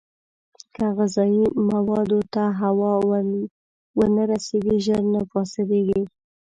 که غذايي موادو ته هوا ونه رسېږي، ژر نه فاسېدېږي.